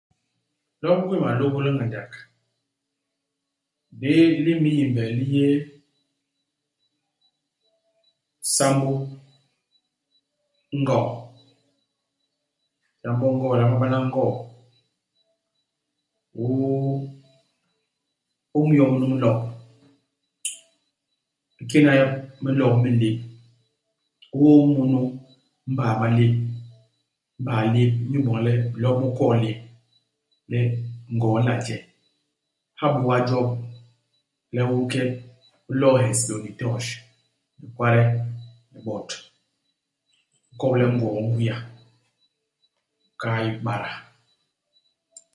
Lop u gwéé malôbôl ngandak. Ndi li me n'yimbe li yé sambô i ngoo. Sambô i ngoo u nlama bana ngoo. U ôm yo munu i minlop. U kena iminlop mi i lép. U ôm munu i mbaa i malép. I mbaa lép inyu iboñ le minlop mi kwok i lép, le ngoo i nla je. Ha i buga-jop, le u u nkep, u lo'o ihes lôñni torch, ni kwade, ni bot. U nkop le ngoo i ngwia, u kahal bada.